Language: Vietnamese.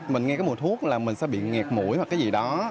mình nghe cái mùa thuốc là mình sẽ bị nghẹt mũi hoặc cái gì đó